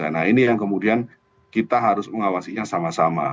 nah ini yang kemudian kita harus mengawasinya sama sama